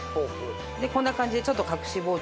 こんな感じでちょっと隠し包丁を。